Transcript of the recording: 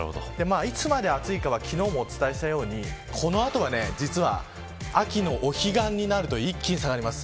いつまで暑いかは昨日もお伝えしたようにこの後は、秋のお彼岸になると一気に下がります。